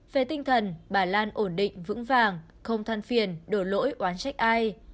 về tinh thần bà lan ổn định vững vàng không thăn phiền đổ lỗi oán trách ai